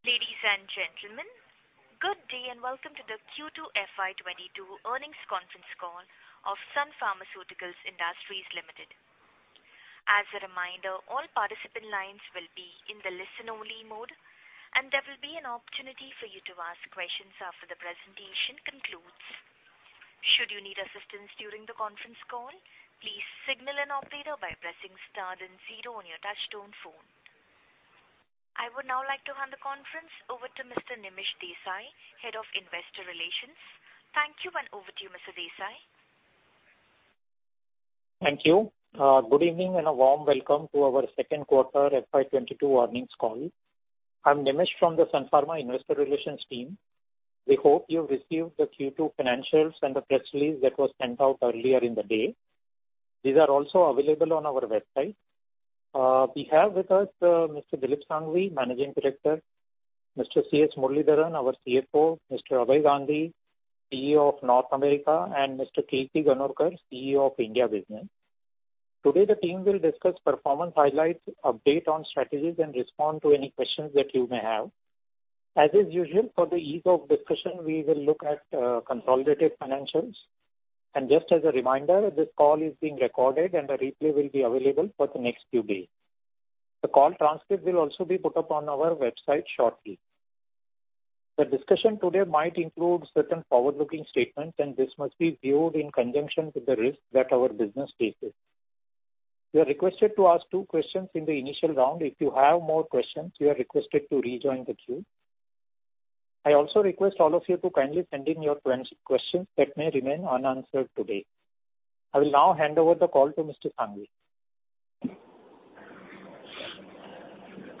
Ladies and gentlemen, good day and welcome to the Q2 FY 2022 earnings conference call of Sun Pharmaceutical Industries Limited. As a reminder, all participant lines will be in the listen-only mode, and there will be an opportunity for you to ask questions after the presentation concludes. Should you need assistance during the conference call, please signal an operator by pressing star then zero on your touchtone phone. I would now like to hand the conference over to Mr. Nimish Desai, Head of Investor Relations. Thank you, and over to you, Mr. Desai. Thank you. Good evening and a warm welcome to our second quarter FY 2022 earnings call. I'm Nimish from the Sun Pharma Investor Relations team. We hope you received the Q2 financials and the press release that was sent out earlier in the day. These are also available on our website. We have with us Mr. Dilip Shanghvi, Managing Director, Mr. C. S. Muralidharan, our CFO, Mr. Abhay Gandhi, CEO of North America, and Mr. Kirti Ganorkar, CEO of India Business. Today, the team will discuss performance highlights, update on strategies, and respond to any questions that you may have. As is usual, for the ease of discussion, we will look at consolidated financials. Just as a reminder, this call is being recorded and a replay will be available for the next few days. The call transcript will also be put up on our website shortly. The discussion today might include certain forward-looking statements, and this must be viewed in conjunction with the risks that our business faces. You are requested to ask two questions in the initial round. If you have more questions, you are requested to rejoin the queue. I also request all of you to kindly send in your questions that may remain unanswered today. I will now hand over the call to Mr. Shanghvi.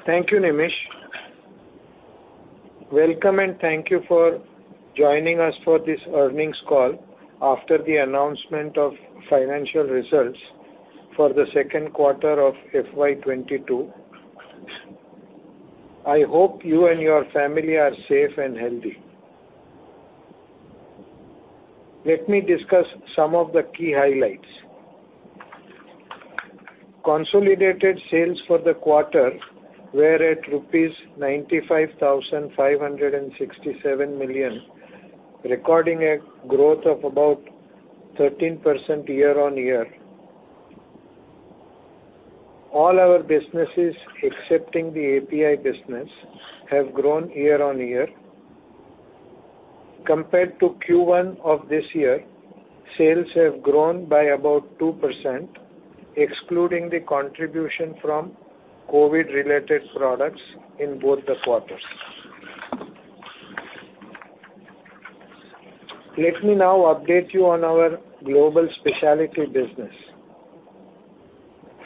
Thank you, Nimish. Welcome and thank you for joining us for this earnings call after the announcement of financial results for the second quarter of FY 2022. I hope you and your family are safe and healthy. Let me discuss some of the key highlights. Consolidated sales for the quarter were at rupees 95,567 million, recording a growth of about 13% year-on-year. All our businesses, excepting the API business, have grown year-on-year. Compared to Q1 of this year, sales have grown by about 2%, excluding the contribution from COVID-related products in both the quarters. Let me now update you on our global specialty business.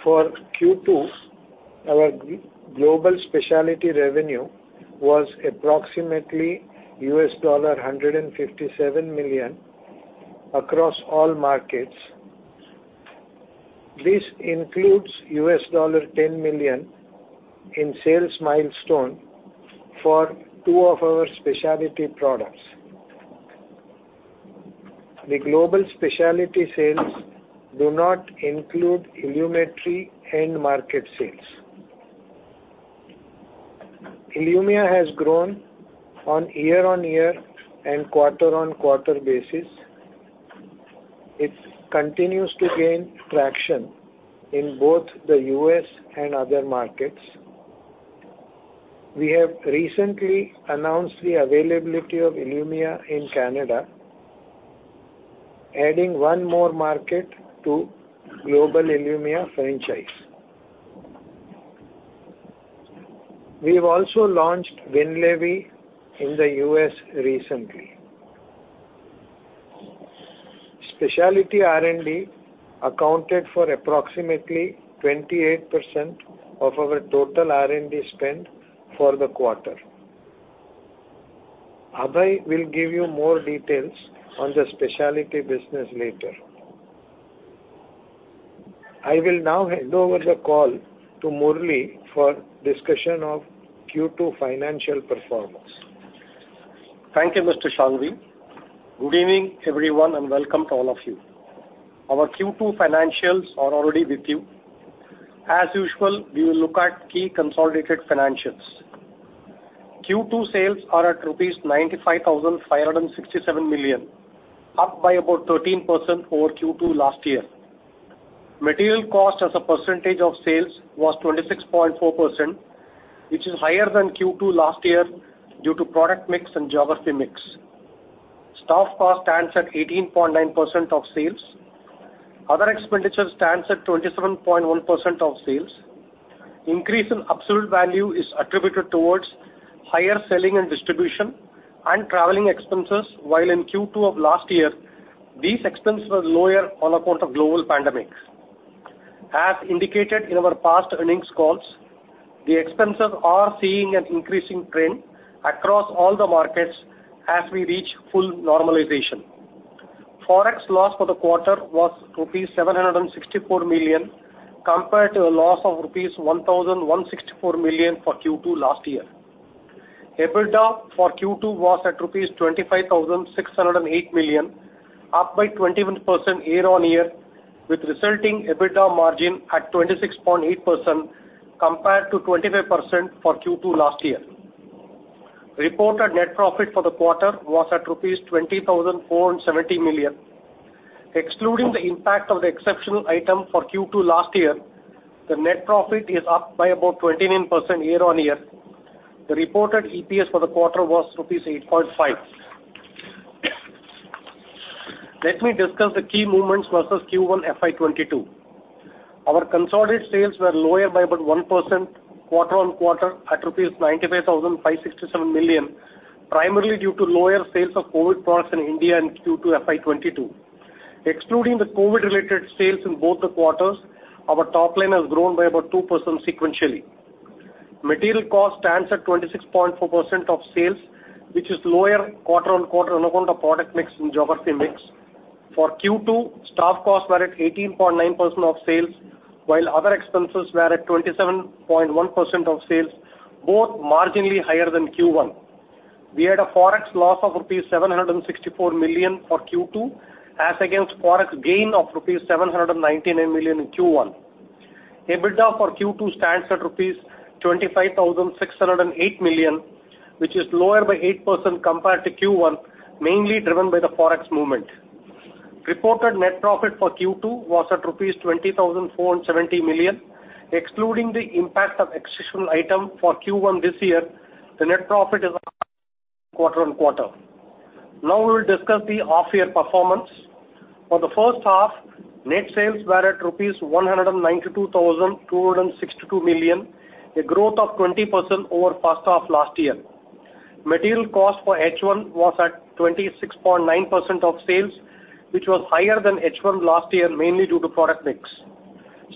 For Q2, our global specialty revenue was approximately $157 million across all markets. This includes $10 million in sales milestone for two of our specialty products. The global specialty sales do not include ILUMYA end market sales. ILUMYA has grown on year-on-year and quarter-on-quarter basis. It continues to gain traction in both the U.S. and other markets. We have recently announced the availability of ILUMYA in Canada, adding one more market to Global ILUMYA Franchise. We've also launched WINLEVI in the U.S. recently. Specialty R&D accounted for approximately 28% of our total R&D spend for the quarter. Abhay will give you more details on the specialty business later. I will now hand over the call to Murali for discussion of Q2 financial performance. Thank you, Mr. Shanghvi. Good evening, everyone, and welcome to all of you. Our Q2 financials are already with you. As usual, we will look at key consolidated financials. Q2 sales are at rupees 95,567 million, up by about 13% over Q2 last year. Material cost as a percentage of sales was 26.4%, which is higher than Q2 last year due to product mix and geography mix. Staff cost stands at 18.9% of sales. Other expenditure stands at 27.1% of sales. Increase in absolute value is attributed towards higher selling and distribution and traveling expenses, while in Q2 of last year, these expenses were lower on account of global pandemic. As indicated in our past earnings calls, the expenses are seeing an increasing trend across all the markets as we reach full normalization. Forex loss for the quarter was rupees 764 million, compared to a loss of rupees 1,164 million for Q2 last year. EBITDA for Q2 was at rupees 25,608 million, up by 21% year-on-year, with resulting EBITDA margin at 26.8% compared to 25% for Q2 last year. Reported net profit for the quarter was at rupees 20,470 million. Excluding the impact of the exceptional item for Q2 last year, the net profit is up by about 29% year-on-year. The reported EPS for the quarter was rupees 8.5. Let me discuss the key movements versus Q1 FY 2022. Our consolidated sales were lower by about 1% quarter-on-quarter at rupees 95,567 million, primarily due to lower sales of COVID products in India in Q2 FY 2022. Excluding the COVID-related sales in both the quarters, our top line has grown by about 2% sequentially. Material cost stands at 26.4% of sales, which is lower quarter-on-quarter on account of product mix and geography mix. For Q2, staff costs were at 18.9% of sales, while other expenses were at 27.1% of sales, both marginally higher than Q1. We had a ForEx loss of rupees 764 million for Q2 as against ForEx gain of rupees 799 million in Q1. EBITDA for Q2 stands at rupees 25,608 million, which is lower by 8% compared to Q1, mainly driven by the ForEx movement. Reported net profit for Q2 was at rupees 20,470 million. Excluding the impact of exceptional item for Q1 this year, the net profit is quarter-on-quarter. Now we will discuss the half-year performance. For the first half, net sales were at rupees 192,262 million, a growth of 20% over first half last year. Material cost for H1 was at 26.9% of sales, which was higher than H1 last year, mainly due to product mix.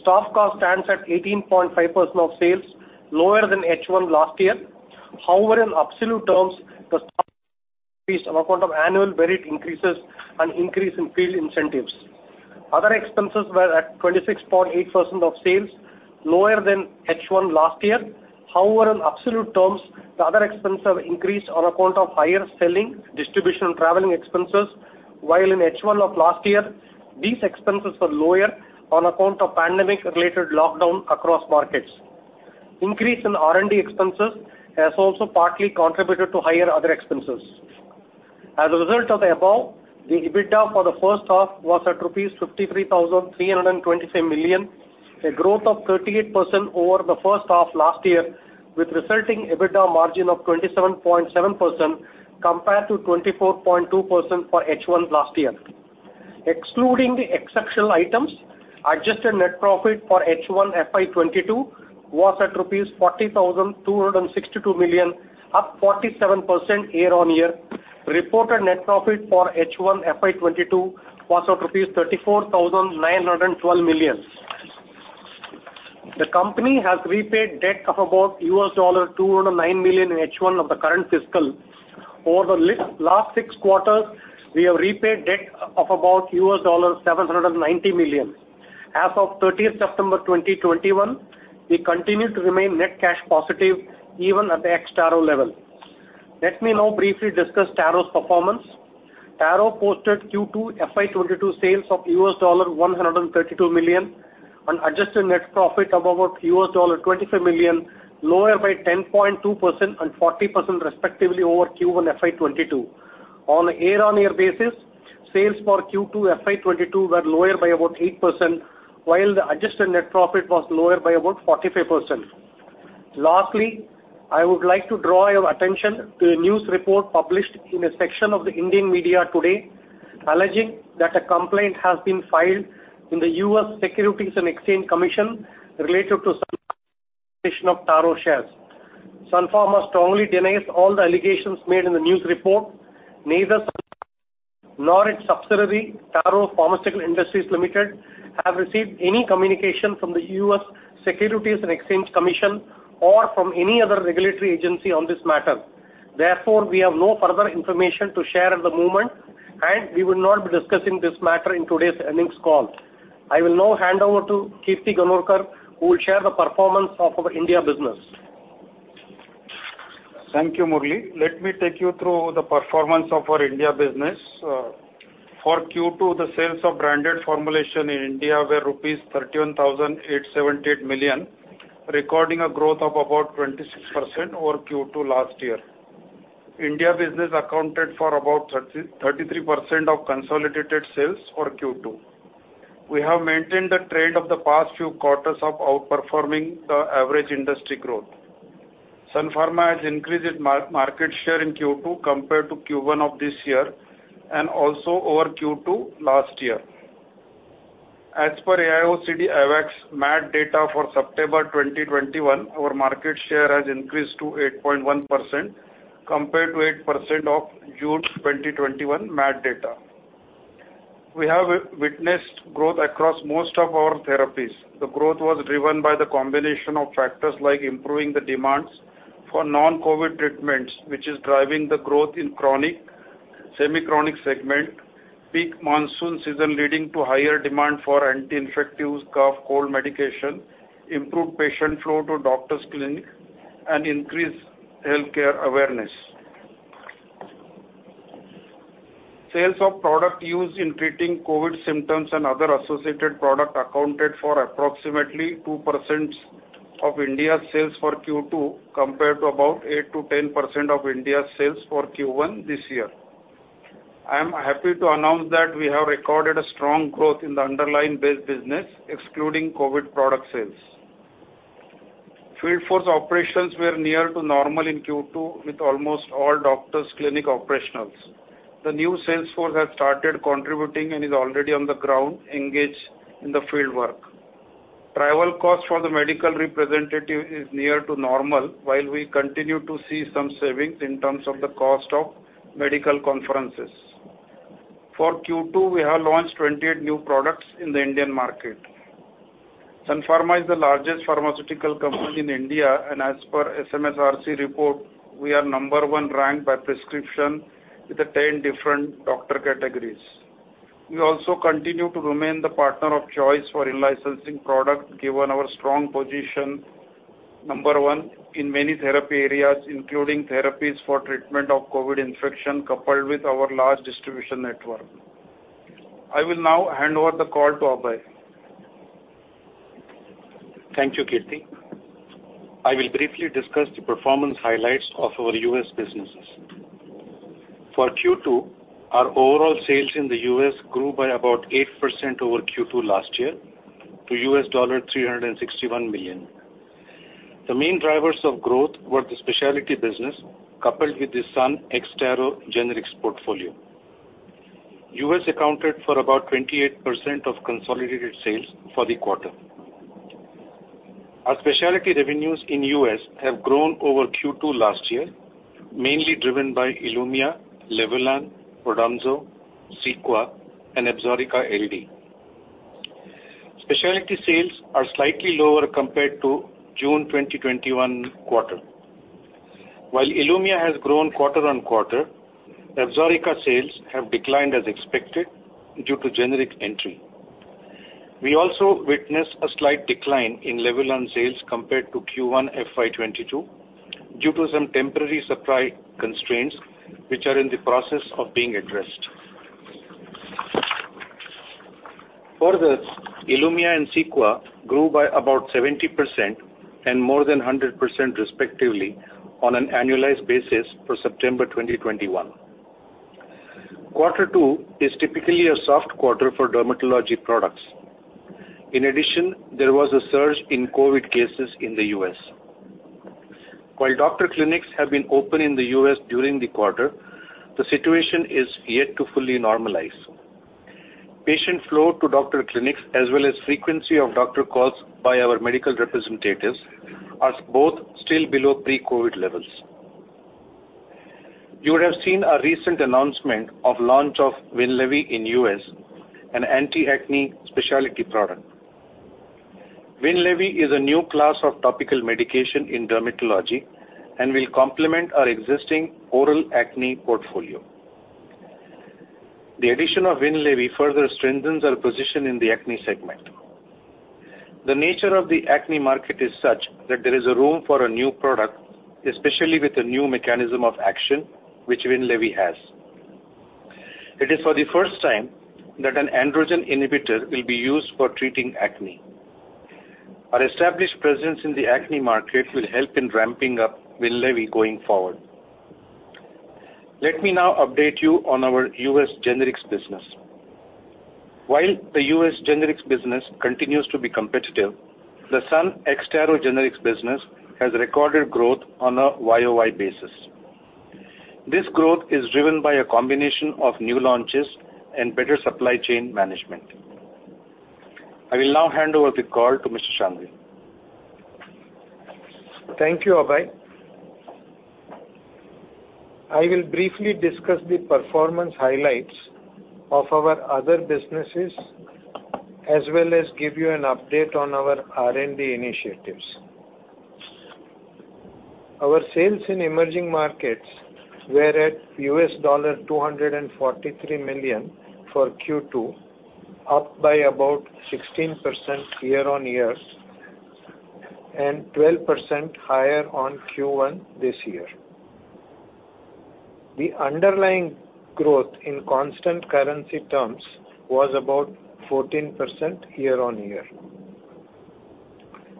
Staff cost stands at 18.5% of sales, lower than H1 last year. However, in absolute terms, they are on account of annual wage increases and increase in field incentives. Other expenses were at 26.8% of sales, lower than H1 last year. However, in absolute terms, the other expenses have increased on account of higher selling, distribution, and traveling expenses, while in H1 of last year, these expenses were lower on account of pandemic-related lockdown across markets. Increase in R&D expenses has also partly contributed to higher other expenses. As a result of the above, the EBITDA for the first half was at rupees 53,327 million, a growth of 38% over the first half last year, with resulting EBITDA margin of 27.7% compared to 24.2% for H1 last year. Excluding the exceptional items, adjusted net profit for H1 FY 2022 was at INR 40,262 million, up 47% year-on-year. Reported net profit for H1 FY 2022 was at INR 34,912 million. The company has repaid debt of about $209 million in H1 of the current fiscal. Over the last six quarters, we have repaid debt of about $790 million. As of 30 September 2021, we continue to remain net cash positive even at the ex-Taro level. Let me now briefly discuss Taro's performance. Taro posted Q2 FY 2022 sales of $132 million, an adjusted net profit of about $25 million, lower by 10.2% and 40% respectively over Q1 FY 2022. On a year-on-year basis, sales for Q2 FY 2022 were lower by about 8%, while the adjusted net profit was lower by about 45%. Lastly, I would like to draw your attention to a news report published in a section of the Indian media today alleging that a complaint has been filed in the U.S. Securities and Exchange Commission related to Sun Pharma's offer for Taro shares. Sun Pharma strongly denies all the allegations made in the news report. Neither Sun Pharma nor its subsidiary, Taro Pharmaceutical Industries Limited, have received any communication from the U.S. Securities and Exchange Commission or from any other regulatory agency on this matter. Therefore, we have no further information to share at the moment, and we will not be discussing this matter in today's earnings call. I will now hand over to Kirti Ganorkar, who will share the performance of our India business. Thank you, Murali. Let me take you through the performance of our India business. For Q2, the sales of branded formulation in India were rupees 31,878 million, recording a growth of about 26% over Q2 last year. India business accounted for about 33% of consolidated sales for Q2. We have maintained the trend of the past few quarters of outperforming the average industry growth. Sun Pharma has increased its market share in Q2 compared to Q1 of this year and also over Q2 last year. As per AIOCD AWACS MAT data for September 2021, our market share has increased to 8.1% compared to 8% of June 2021 MAT data. We have witnessed growth across most of our therapies. The growth was driven by the combination of factors like improving the demands for non-COVID treatments, which is driving the growth in chronic semi-chronic segment, peak monsoon season leading to higher demand for anti-infectives, cough, cold medication, improved patient flow to doctor's clinic, and increased healthcare awareness. Sales of product used in treating COVID symptoms and other associated product accounted for approximately 2% of India's sales for Q2 compared to about 8%-10% of India's sales for Q1 this year. I am happy to announce that we have recorded a strong growth in the underlying base business excluding COVID product sales. Field force operations were near to normal in Q2 with almost all doctors clinic operationals. The new sales force has started contributing and is already on the ground engaged in the field work. Travel costs for the medical representative is near to normal while we continue to see some savings in terms of the cost of medical conferences. For Q2, we have launched 28 new products in the Indian market. Sun Pharma is the largest pharmaceutical company in India, and as per SMSRC report, we are No. 1 ranked by prescription with the 10 different doctor categories. We also continue to remain the partner of choice for in-licensing product given our strong position No. 1 in many therapy areas, including therapies for treatment of COVID infection, coupled with our large distribution network. I will now hand over the call to Abhay. Thank you, Kirti. I will briefly discuss the performance highlights of our U.S. businesses. For Q2, our overall sales in the U.S. grew by about 8% over Q2 last year to $361 million. The main drivers of growth were the specialty business coupled with the Sun ex-Taro generics portfolio. U.S. accounted for about 28% of consolidated sales for the quarter. Our specialty revenues in U.S. have grown over Q2 last year, mainly driven by ILUMYA, LEVULAN, ODOMZO, CEQUA and ABSORICA LD. Specialty sales are slightly lower compared to June 2021 quarter. While ILUMYA has grown quarter-on-quarter, ABSORICA sales have declined as expected due to generic entry. We also witnessed a slight decline in LEVULAN sales compared to Q1 FY 2022 due to some temporary supply constraints which are in the process of being addressed. Further, ILUMYA and CEQUA grew by about 70% and more than 100% respectively on an annualized basis for September 2021. Quarter two is typically a soft quarter for dermatology products. In addition, there was a surge in COVID cases in the U.S. While doctor clinics have been open in the U.S. during the quarter, the situation is yet to fully normalize. Patient flow to doctor clinics as well as frequency of doctor calls by our medical representatives are both still below pre-COVID levels. You would have seen our recent announcement of launch of WINLEVI in U.S., an anti-acne specialty product. WINLEVI is a new class of topical medication in dermatology and will complement our existing oral acne portfolio. The addition of WINLEVI further strengthens our position in the acne segment. The nature of the acne market is such that there is a room for a new product, especially with a new mechanism of action which WINLEVI has. It is for the first time that an androgen inhibitor will be used for treating acne. Our established presence in the acne market will help in ramping up WINLEVI going forward. Let me now update you on our U.S. generics business. While the U.S. generics business continues to be competitive, the Sun ex-Taro generics business has recorded growth on a YOY basis. This growth is driven by a combination of new launches and better supply chain management. I will now hand over the call to Mr. Shanghvi. Thank you, Abhay. I will briefly discuss the performance highlights of our other businesses as well as give you an update on our R&D initiatives. Our sales in emerging markets were at $243 million for Q2, up by about 16% year-on-year and 12% higher on Q1 this year. The underlying growth in constant currency terms was about 14% year-on-year.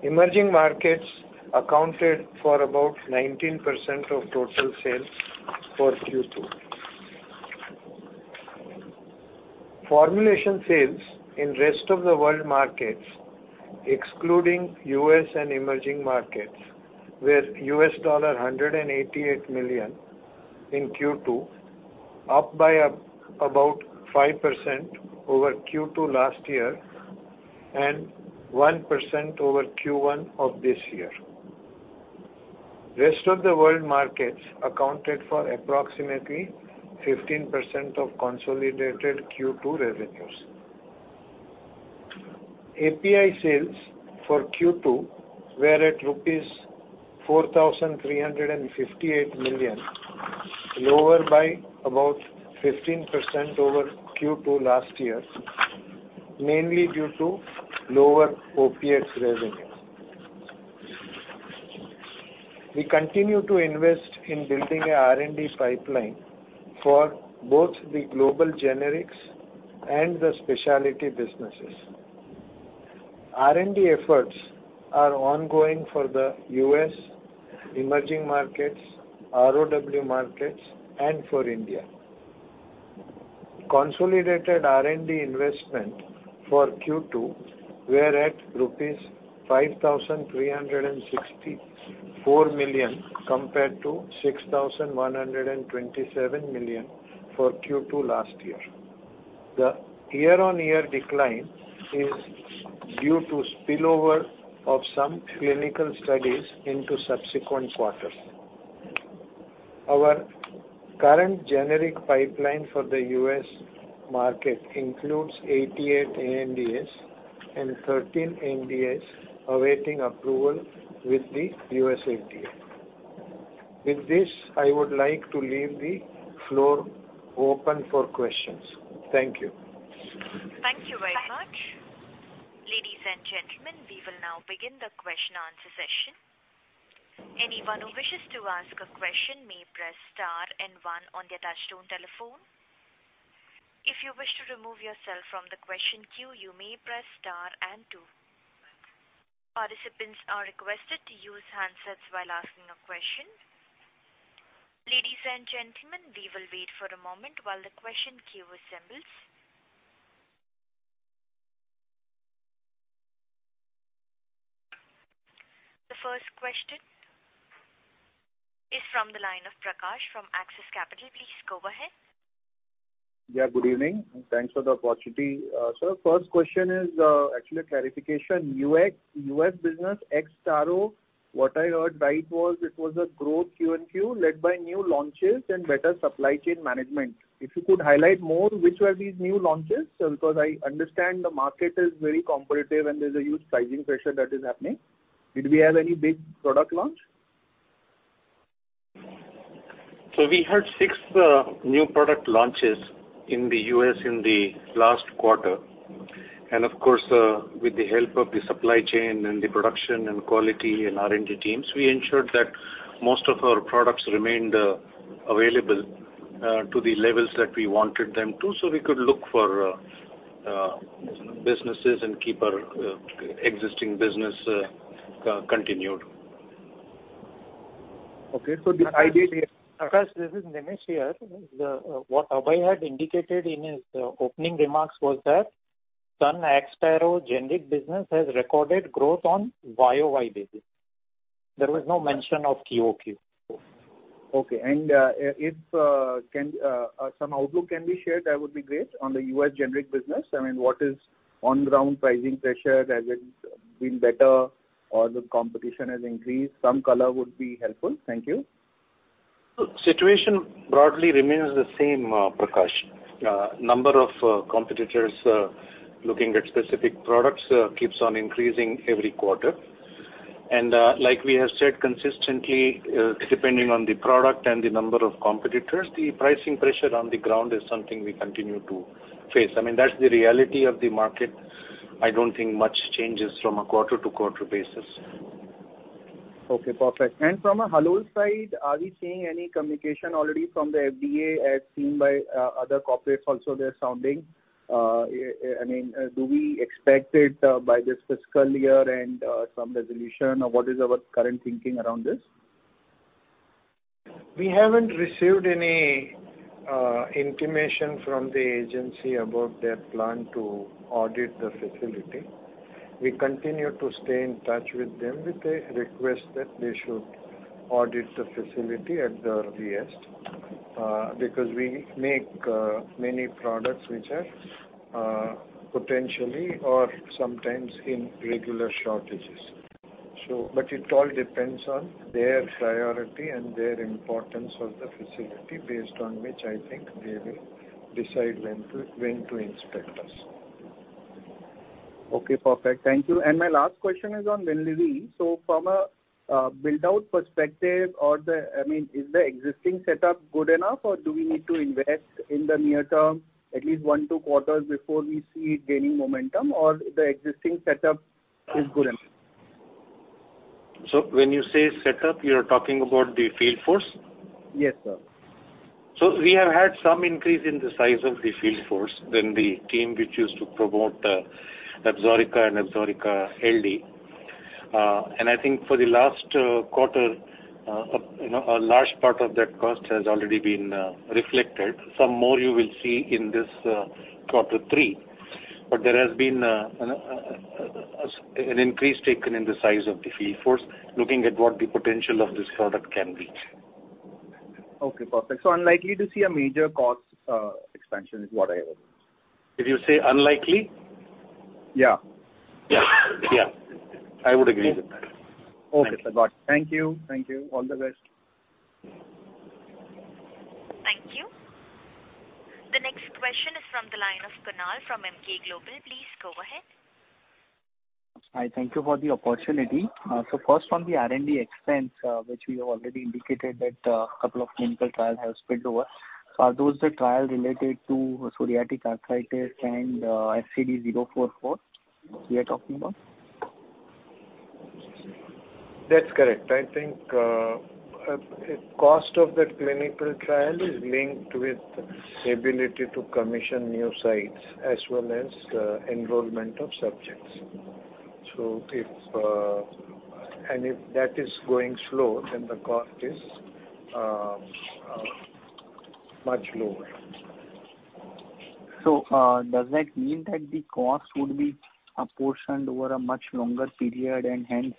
Emerging markets accounted for about 19% of total sales for Q2. Formulation sales in rest of the world markets, excluding U.S. and emerging markets, were $188 million in Q2, up by about 5% over Q2 last year and 1% over Q1 of this year. Rest of the world markets accounted for approximately 15% of consolidated Q2 revenues. API sales for Q2 were at rupees 4,358 million, lower by about 15% over Q2 last year, mainly due to lower opiates revenue. We continue to invest in building a R&D pipeline for both the global generics and the specialty businesses. R&D efforts are ongoing for the U.S. emerging markets, ROW markets, and for India. Consolidated R&D investment for Q2 were at rupees 5,364 million compared to 6,127 million for Q2 last year. The year-on-year decline is due to spillover of some clinical studies into subsequent quarters. Our current generic pipeline for the U.S. market includes 88 ANDAs and 13 NDAs awaiting approval with the U.S. FDA. With this, I would like to leave the floor open for questions. Thank you. Thank you very much. Ladies and gentlemen, we will now begin the question answer session. Anyone who wishes to ask a question may press star and one on their touchtone telephone. If you wish to remove yourself from the question queue, you may press star and two. Participants are requested to use handsets while asking a question. Ladies and gentlemen, we will wait for a moment while the question queue assembles. The first question is from the line of Prakash from Axis Capital. Please go ahead. Yeah, good evening, and thanks for the opportunity. First question is actually a clarification. U.S. business ex-Taro, what I heard right was it was a growth Q&Q led by new launches and better supply chain management. If you could highlight more, which were these new launches? Because I understand the market is very competitive, and there's a huge pricing pressure that is happening. Did we have any big product launch? We had six new product launches in the U.S. in the last quarter, and of course, with the help of the supply chain and the production and quality and R&D teams, we ensured that most of our products remained available to the levels that we wanted them to, so we could look for businesses and keep our existing business continued. Okay. The idea here. Prakash, this is Nimish here. What Abhay had indicated in his opening remarks was that Sun ex-Taro generic business has recorded growth on YOY basis. There was no mention of QOQ. Okay. If some outlook can be shared, that would be great on the U.S. generic business. I mean, what is on ground pricing pressure? Has it been better or the competition has increased? Some color would be helpful. Thank you. Situation broadly remains the same, Prakash. Number of competitors looking at specific products keeps on increasing every quarter. Like we have said consistently, depending on the product and the number of competitors, the pricing pressure on the ground is something we continue to face. I mean, that's the reality of the market. I don't think much changes from a quarter-to-quarter basis. Okay, perfect. From a Halol side, are we seeing any communication already from the FDA as seen by other corporates also they're sounding? I mean, do we expect it by this fiscal year and some resolution? Or what is our current thinking around this? We haven't received any intimation from the agency about their plan to audit the facility. We continue to stay in touch with them with a request that they should audit the facility at the earliest, because we make many products which are potentially or sometimes in regular shortages. It all depends on their priority and their importance of the facility based on which I think they will decide when to inspect us. Okay, perfect. Thank you. My last question is on WINLEVI. From a build-out perspective, I mean, is the existing setup good enough, or do we need to invest in the near term at least one, two quarters before we see it gaining momentum or the existing setup is good enough? When you say setup, you're talking about the field force? Yes, sir. We have had some increase in the size of the field force from the team which used to promote ABSORICA and ABSORICA LD. I think for the last quarter, you know, a large part of that cost has already been reflected. Some more you will see in this quarter three. There has been an increase taken in the size of the field force, looking at what the potential of this product can reach. Okay, perfect. Unlikely to see a major cost expansion is what I heard. Did you say unlikely? Yeah. Yeah. Yeah. I would agree with that. Okay, sir. Got it. Thank you. All the best. The next question is from the line of Kunal from Emkay Global. Please go ahead. Hi. Thank you for the opportunity. First from the R&D expense, which we have already indicated that, a couple of clinical trial have spilled over. Are those the trial related to psoriatic arthritis and SCD-044 we are talking about? That's correct. I think a cost of that clinical trial is linked with the ability to commission new sites as well as enrollment of subjects. If that is going slow, then the cost is much lower. Does that mean that the cost would be apportioned over a much longer period and hence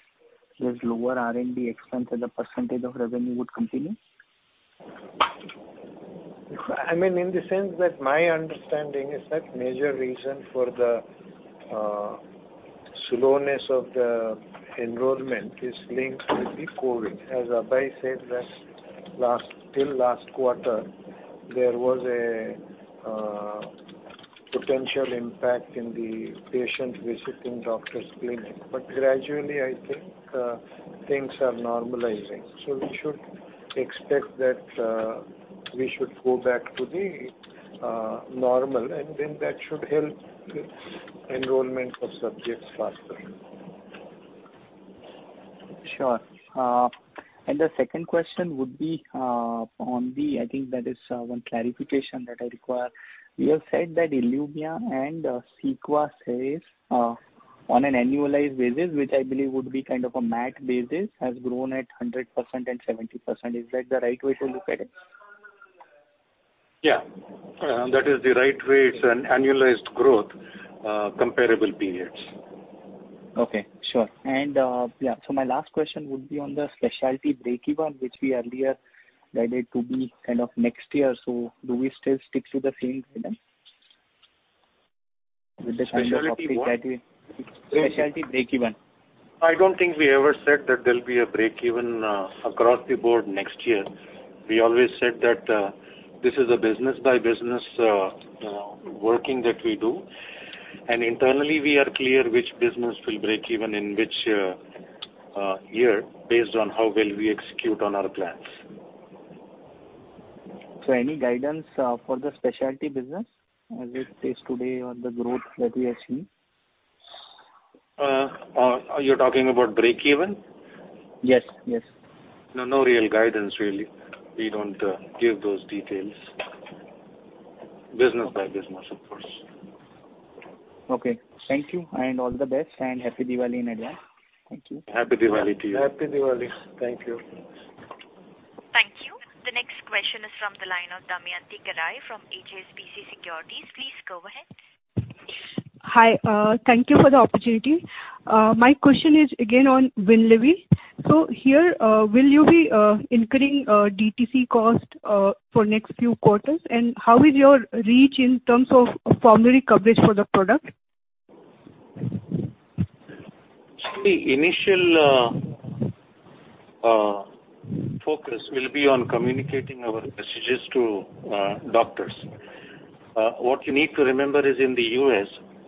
this lower R&D expense as a percentage of revenue would continue? I mean, in the sense that my understanding is that major reason for the slowness of the enrollment is linked with the COVID. As Abhay said that last, till last quarter, there was a potential impact in the patients visiting doctors' clinics. Gradually, I think, things are normalizing. We should expect that we should go back to the normal, and then that should help the enrollment of subjects faster. Sure. The second question would be one clarification that I require. You have said that ILUMYA and CEQUA on an annualized basis, which I believe would be kind of a MAT basis, has grown at 100% and 70%. Is that the right way to look at it? Yeah. That is the right way. It's an annualized growth, comparable periods. Okay. Sure. Yeah, so my last question would be on the specialty breakeven, which we earlier guided to be kind of next year. Do we still stick to the same guidance? Specialty what? With the kind of topics that we- Breakeven. Specialty breakeven. I don't think we ever said that there'll be a breakeven across the board next year. We always said that this is a business by business working that we do. Internally, we are clear which business will breakeven in which year based on how well we execute on our plans. Any guidance for the specialty business as it is today or the growth that we are seeing? You're talking about breakeven? Yes. Yes. No, no real guidance really. We don't give those details. Business by business, of course. Okay. Thank you, and all the best, and Happy Diwali in advance. Thank you. Happy Diwali to you. Happy Diwali. Thank you. Thank you. The next question is from the line of Damayanti Kerai from HSBC Securities. Please go ahead. Hi. Thank you for the opportunity. My question is again on WINLEVI. Here, will you be incurring DTC cost for next few quarters? How is your reach in terms of formulary coverage for the product? The initial focus will be on communicating our messages to doctors. What you need to remember is in the U.S.,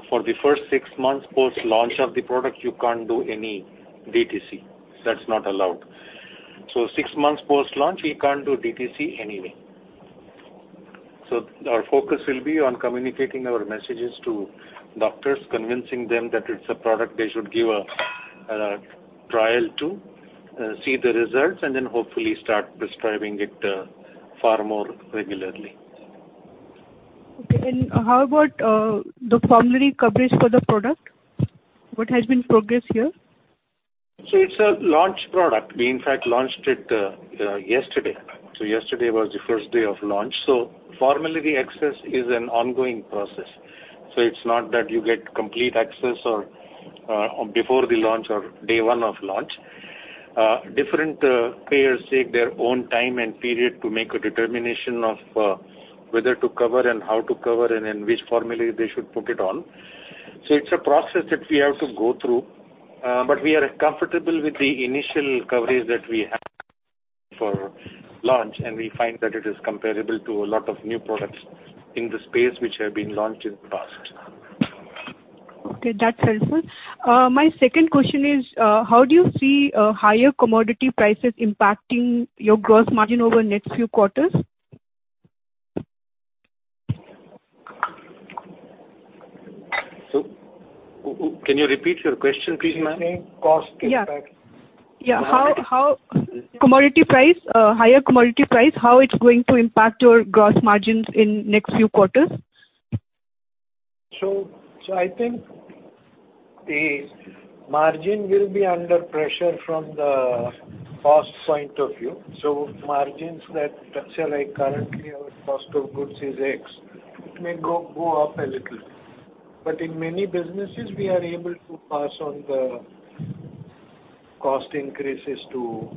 for the first six months post-launch of the product, you can't do any DTC. That's not allowed. Six months post-launch, we can't do DTC anyway. Our focus will be on communicating our messages to doctors, convincing them that it's a product they should give a trial to, see the results, and then hopefully start prescribing it far more regularly. Okay. How about the formulary coverage for the product? What has been progress here? It's a launch product. We in fact launched it yesterday. Yesterday was the first day of launch. Formulary access is an ongoing process, it's not that you get complete access or before the launch or day one of launch. Different payers take their own time and period to make a determination of whether to cover and how to cover and in which formulary they should put it on. It's a process that we have to go through. We are comfortable with the initial coverage that we have for launch, and we find that it is comparable to a lot of new products in the space which have been launched in the past. Okay. That's helpful. My second question is, how do you see higher commodity prices impacting your gross margin over next few quarters? Can you repeat your question please, ma'am? Cost impact. How higher commodity price how it's going to impact your gross margins in next few quarters? I think the margin will be under pressure from the cost point of view. Margins that, say, like currently our cost of goods is X, it may go up a little. In many businesses, we are able to pass on the cost increases to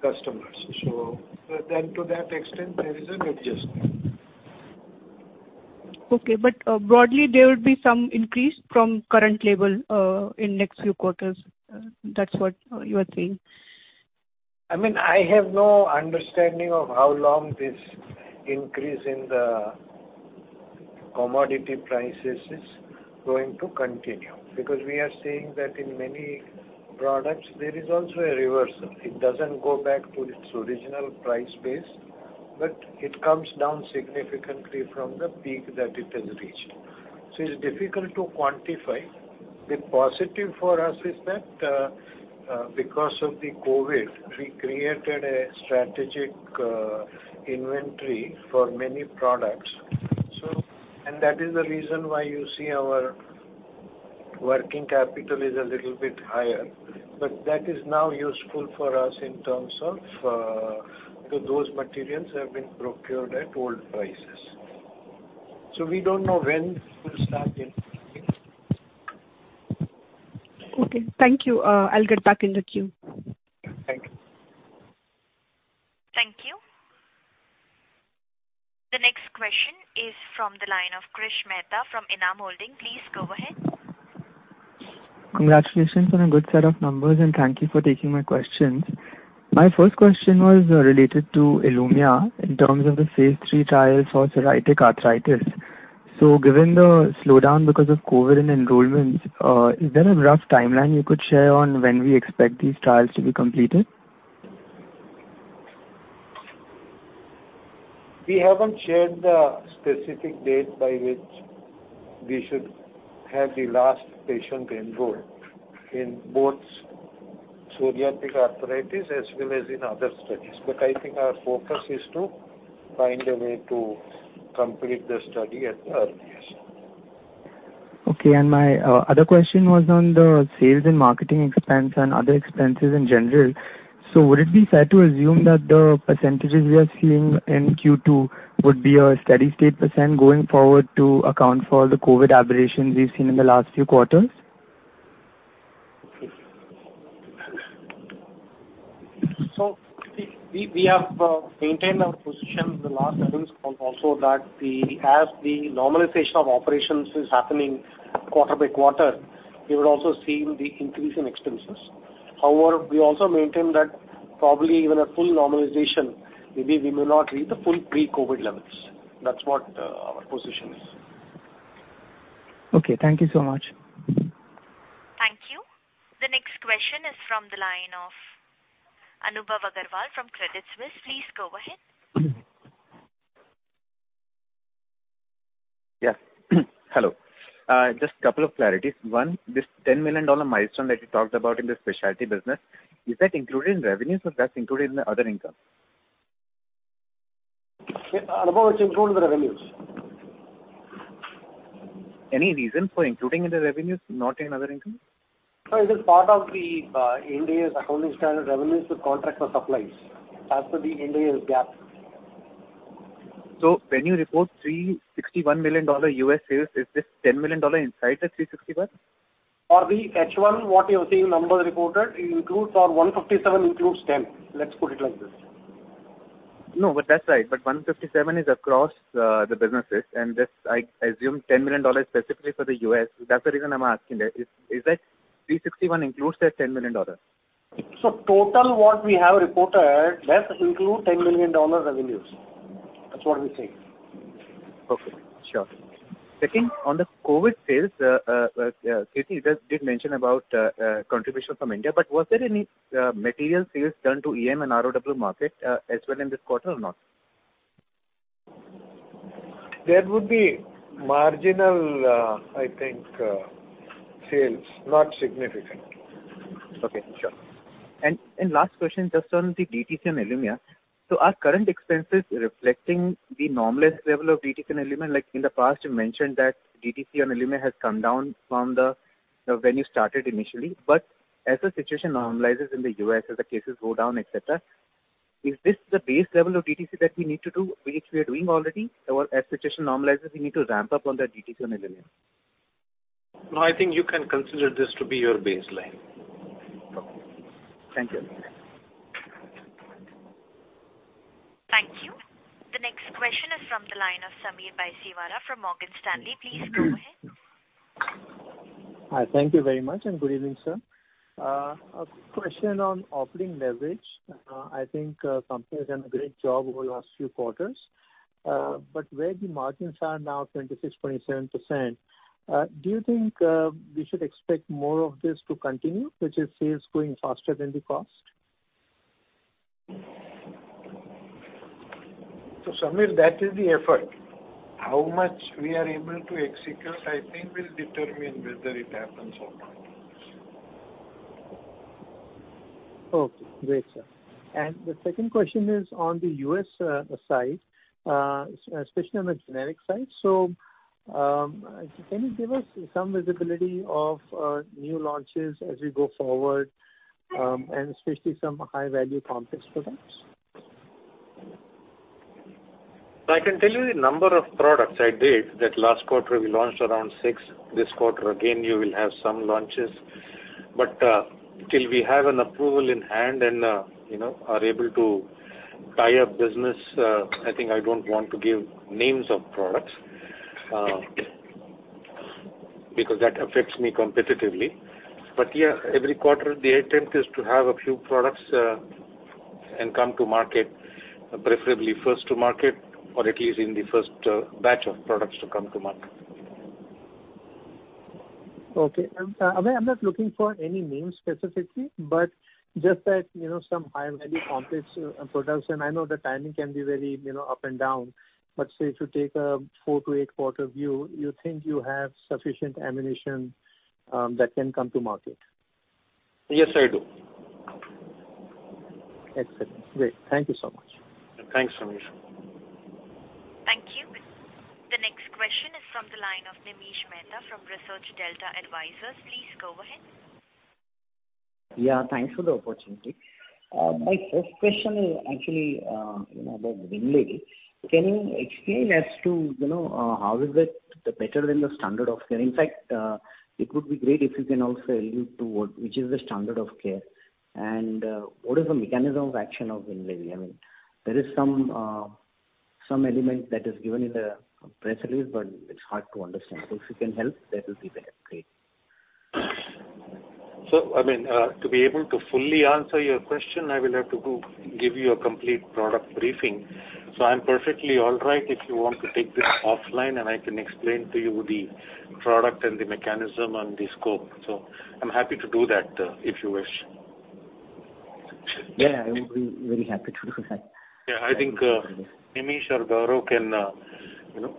customers. To that extent, there is an adjustment. Okay. Broadly there would be some increase from current level in next few quarters. That's what you are saying. I mean, I have no understanding of how long this increase in the commodity prices is going to continue because we are seeing that in many products there is also a reversal. It doesn't go back to its original price base, but it comes down significantly from the peak that it has reached. It's difficult to quantify. The positive for us is that because of the COVID, we created a strategic inventory for many products. That is the reason why you see our working capital is a little bit higher, but that is now useful for us in terms of those materials have been procured at old prices. We don't know when we'll start increasing. Okay. Thank you. I'll get back in the queue. Thank you. Thank you. The next question is from the line of Krish Mehta from Enam Holdings. Please go ahead. Congratulations on a good set of numbers, and thank you for taking my questions. My first question was related to ILUMYA in terms of the phase III trials for psoriatic arthritis. Given the slowdown because of COVID and enrollments, is there a rough timeline you could share on when we expect these trials to be completed? We haven't shared the specific date by which we should have the last patient enrolled in both psoriatic arthritis as well as in other studies. I think our focus is to find a way to complete the study at the earliest. Okay. My other question was on the sales and marketing expense and other expenses in general. Would it be fair to assume that the percentages we are seeing in Q2 would be a steady-state percent going forward to account for the COVID aberrations we've seen in the last few quarters? We have maintained our position in the last earnings call also that as the normalization of operations is happening quarter by quarter, you will also see the increase in expenses. However, we also maintain that probably even a full normalization, maybe we may not reach the full pre-COVID levels. That's what our position is. Okay. Thank you so much. Thank you. The next question is from the line of Anubhav Agarwal from Credit Suisse. Please go ahead. Yes. Hello. Just couple of clarities. One, this $10 million milestone that you talked about in the specialty business, is that included in revenues or that's included in the other income? Anubhav, it's included in the revenues. Any reason for including in the revenues, not in other income? No, it is part of the Ind AS revenue from contracts with customers as per the Indian GAAP. When you report $361 million U.S. sales, is this $10 million inside the $361? For the H1, what you're seeing, the numbers reported includes our $157 million and $10 million. Let's put it like this. No, that's right. 157 is across the businesses. This I assume $10 million specifically for the U.S. That's the reason I'm asking that. Is that 361 includes that $10 million? Total what we have reported does include $10 million revenues. That's what we're saying. Okay. Sure. Second, on the COVID sales, Kirti just did mention about contribution from India, but was there any material sales done to EM and ROW market as well in this quarter or not? There would be marginal, I think, sales. Not significant. Okay. Sure. Last question, just on the DTC and ILUMYA. So are current expenses reflecting the normalized level of DTC and ILUMYA? Like, in the past you mentioned that DTC on ILUMYA has come down from the when you started initially. As the situation normalizes in the U.S., as the cases go down, et cetera, is this the base level of DTC that we need to do, which we are doing already? As situation normalizes, we need to ramp up on the DTC on ILUMYA? No, I think you can consider this to be your baseline. Okay. Thank you. Thank you. The next question is from the line of Sameer Baisiwala from Morgan Stanley. Please go ahead. Hi. Thank you very much, and good evening, sir. A question on operating leverage. I think company has done a great job over the last few quarters. Where the margins are now 26%-27%, do you think we should expect more of this to continue, which is sales growing faster than the cost? Sameer, that is the effort. How much we are able to execute, I think will determine whether it happens or not. Okay. Great, sir. The second question is on the U.S. side, especially on the generic side. Can you give us some visibility of new launches as we go forward, and especially some high-value complex products? I can tell you the number of products I did that last quarter we launched around six. This quarter again, you will have some launches. Till we have an approval in hand and you know are able to tie up business, I think I don't want to give names of products because that affects me competitively. Yeah, every quarter, the attempt is to have a few products and come to market, preferably first to market, or at least in the first batch of products to come to market. Okay. I mean, I'm not looking for any names specifically, but just that, you know, some high-value complex products. I know the timing can be very, you know, up and down. Say, to take a four to eight quarter view, you think you have sufficient ammunition that can come to market? Yes, I do. Excellent. Great. Thank you so much. Thanks, Sameer. Thank you. The next question is from the line of Nimish Mehta from Research Delta Advisors. Please go ahead. Yeah, thanks for the opportunity. My first question is actually, you know, about WINLEVI. Can you explain as to, you know, how is it the better than the standard of care? In fact, it would be great if you can also allude to which is the standard of care, and, what is the mechanism of action of WINLEVI? I mean, there is some element that is given in the press release, but it's hard to understand. So if you can help, that will be very great. I mean, to be able to fully answer your question, I will have to go give you a complete product briefing. I'm perfectly all right if you want to take this offline, and I can explain to you the product and the mechanism and the scope. I'm happy to do that, if you wish. Yeah, I will be very happy to do that. Yeah. I think, Nimish or Gaurav can, you know,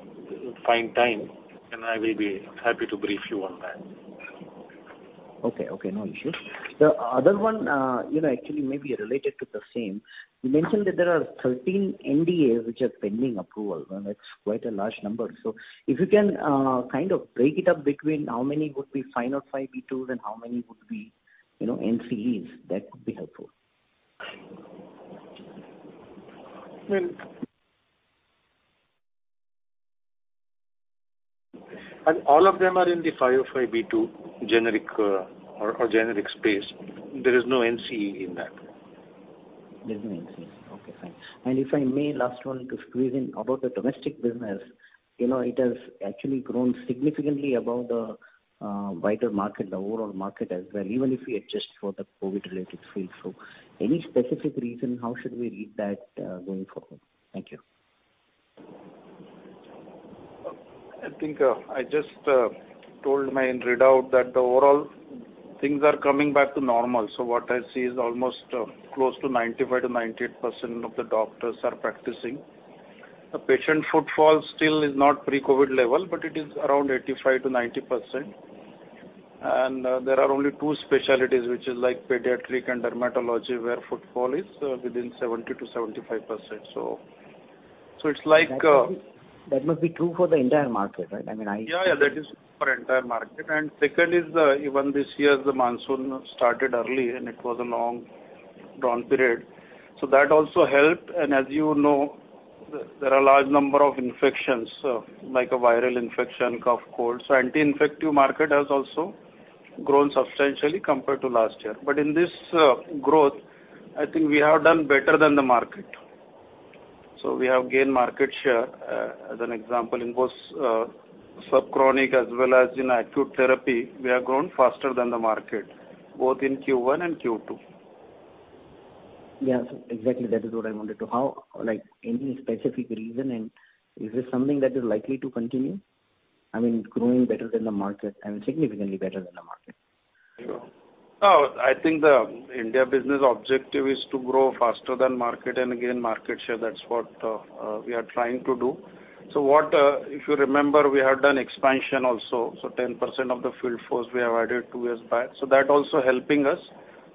find time, and I will be happy to brief you on that. Okay. No issues. The other one, you know, actually may be related to the same. You mentioned that there are 13 NDAs which are pending approval, and that's quite a large number. If you can, kind of break it up between how many would be 505(b)(2)s and how many would be, you know, NCEs, that would be helpful. All of them are in the 505(b)(2) generic or generic space. There is no NCE in that. There's no NCE. Okay, fine. If I may, last one to squeeze in about the domestic business. You know, it has actually grown significantly above the wider market, the overall market as well, even if we adjust for the COVID-related phase. So any specific reason how should we read that going forward? Thank you. I think I just told my readout that the overall things are coming back to normal. What I see is almost close to 95%-98% of the doctors are practicing. The patient footfall still is not pre-COVID level, but it is around 85%-90%. There are only two specialties, which is like pediatric and dermatology, where footfall is within 70%-75%. It's like That must be true for the entire market, right? I mean, Yeah, yeah. That is for entire market. Second is, even this year, the monsoon started early, and it was a long drawn period, so that also helped. As you know, there are large number of infections, like a viral infection, cough, cold. Anti-infective market has also grown substantially compared to last year. In this growth, I think we have done better than the market. We have gained market share. As an example, in both, subchronic as well as in acute therapy, we have grown faster than the market, both in Q1 and Q2. Yeah. Exactly. How, like, any specific reason, and is this something that is likely to continue? I mean, growing better than the market and significantly better than the market. I think the India business objective is to grow faster than market and gain market share. That's what we are trying to do. If you remember, we have done expansion also. 10% of the field force we have added two years back, so that also helping us.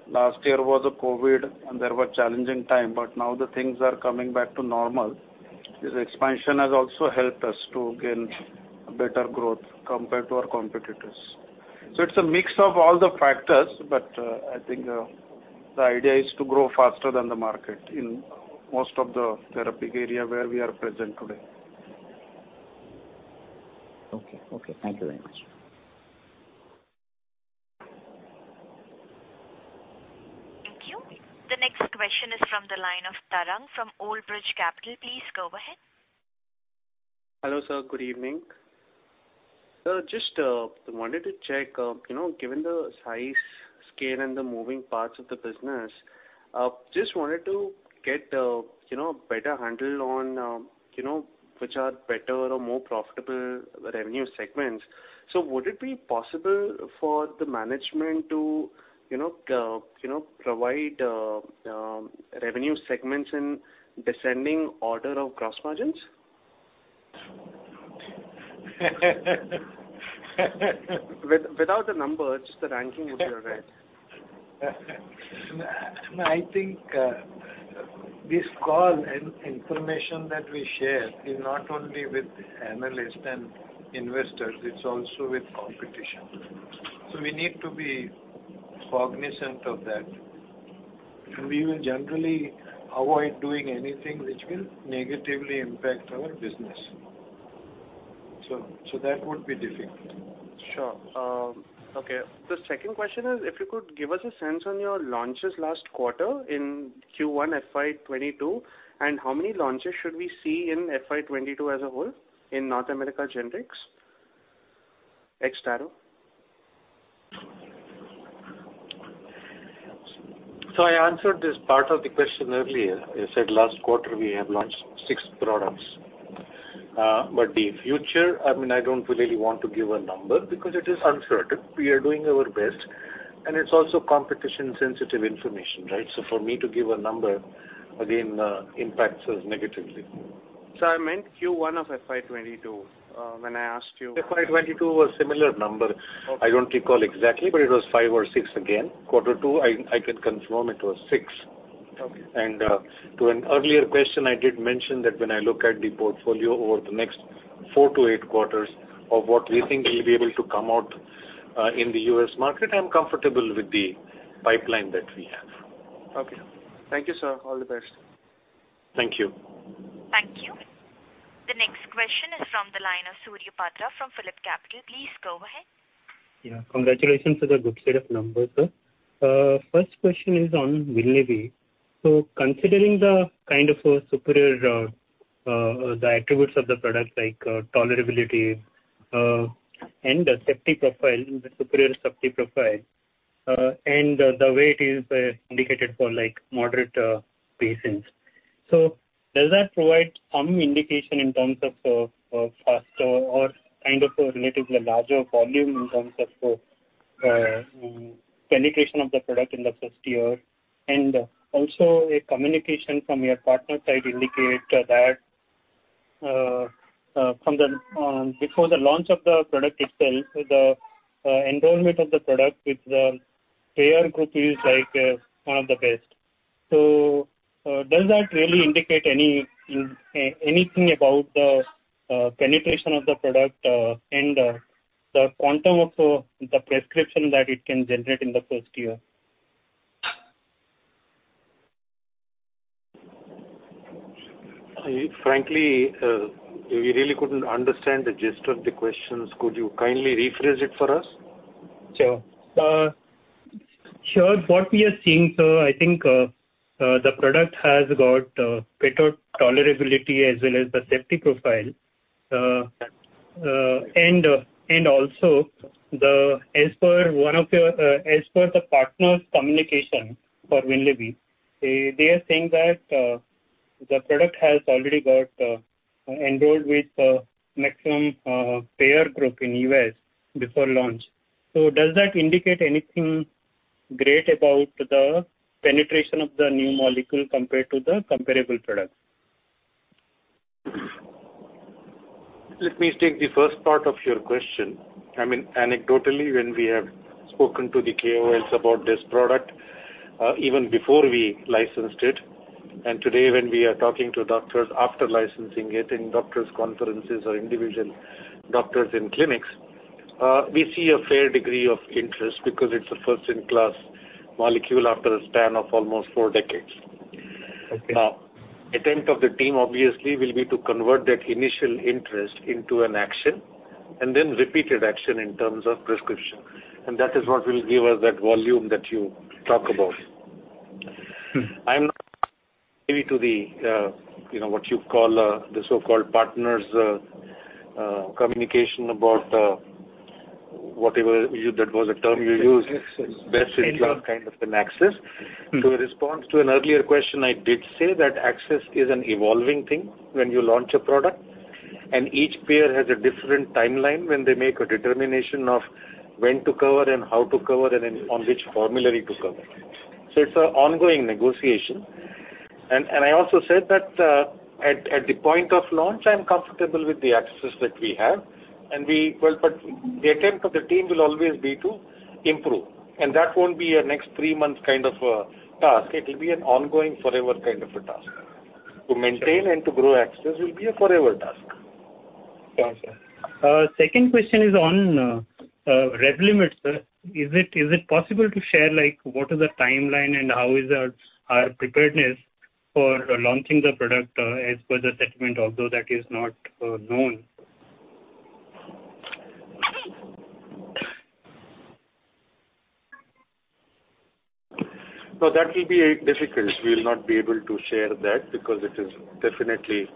Last year was a COVID, and there were challenging time, but now the things are coming back to normal. This expansion has also helped us to gain better growth compared to our competitors. It's a mix of all the factors, but I think the idea is to grow faster than the market in most of the therapeutic area where we are present today. Okay. Okay. Thank you very much. Thank you. The next question is from the line of Tarang from Old Bridge Capital. Please go ahead. Hello, sir. Good evening. Sir, just wanted to check, you know, given the size, scale, and the moving parts of the business, just wanted to get, you know, better handle on, you know, which are better or more profitable revenue segments. Would it be possible for the management to, you know, provide revenue segments in descending order of gross margins? Without the numbers, just the ranking would be all right. I think, this call and information that we share is not only with analysts and investors, it's also with competition. We need to be cognizant of that. We will generally avoid doing anything which will negatively impact our business. That would be difficult. Sure. Okay. The second question is if you could give us a sense on your launches last quarter in Q1 FY 2022, and how many launches should we see in FY 2022 as a whole in North America Generics ex Taro? I answered this part of the question earlier. I said last quarter we have launched six products. But the future, I mean, I don't really want to give a number because it is uncertain. We are doing our best, and it's also competition sensitive information, right? For me to give a number again impacts us negatively. I meant Q1 of FY 2022 when I asked you. FY 2022 was similar number. Okay. I don't recall exactly, but it was five or six again. Quarter two, I can confirm it was six. Okay. To an earlier question, I did mention that when I look at the portfolio over the next four to eight quarters of what we think will be able to come out in the U.S. market, I'm comfortable with the pipeline that we have. Okay. Thank you sir. All the best. Thank you. Thank you. The next question is from the line of Surya Patra from PhillipCapital. Please go ahead. Yeah. Congratulations for the good set of numbers, sir. First question is on WINLEVI. Considering the kind of superior attributes of the product like tolerability and the superior safety profile and the way it is indicated for like moderate patients. Does that provide some indication in terms of faster or kind of a relatively larger volume in terms of penetration of the product in the first year? A communication from your partner side indicate that from before the launch of the product itself, the enrollment of the product with the payer group is like one of the best. Does that really indicate any anything about the penetration of the product, and the quantum of the prescription that it can generate in the first year? We really couldn't understand the gist of the questions. Could you kindly rephrase it for us? Sure. What we are seeing, sir, I think, the product has got, better tolerability as well as the safety profile. And also as per one of the partners communication for WINLEVI, they are saying that, the product has already got, enrolled with a maximum payer group in the U.S. before launch. Does that indicate anything great about the penetration of the new molecule compared to the comparable products? Let me take the first part of your question. I mean, anecdotally, when we have spoken to the KOLs about this product, even before we licensed it, and today when we are talking to doctors after licensing it in doctors conferences or individual doctors in clinics, we see a fair degree of interest because it's a first in class molecule after a span of almost four decades. Okay. Now, attempt of the team obviously will be to convert that initial interest into an action and then repeated action in terms of prescription, and that is what will give us that volume that you talk about. I'm not privy to the, you know, what you call, the so-called partners' communication about whatever you, that was the term you used. Access. Best in class kind of an access. In response to an earlier question, I did say that access is an evolving thing when you launch a product, and each payer has a different timeline when they make a determination of when to cover and how to cover and then on which formulary to cover. So it's an ongoing negotiation. I also said that at the point of launch, I'm comfortable with the accesses that we have and we. Well, the attempt of the team will always be to improve, and that won't be a next three months kind of a task. It will be an ongoing forever kind of a task. To maintain and to grow access will be a forever task. Sure, sir. Second question is on REVLIMID, sir. Is it possible to share like what is the timeline and how is our preparedness for launching the product as per the settlement, although that is not known? No, that will be difficult. We'll not be able to share that because it is definitely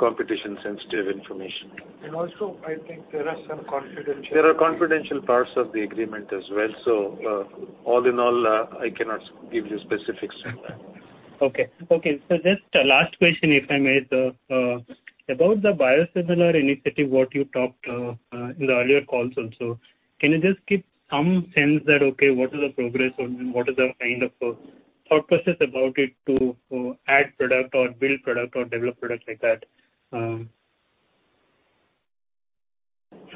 competition sensitive information. Also, I think there are some confidential parts of the agreement as well. All in all, I cannot give you specifics on that. Okay. Just last question if I may, sir. About the biosimilar initiative, what you talked in the earlier calls also. Can you just give some sense that, okay, what is the progress on and what is the kind of thought process about it to add product or build product or develop product like that?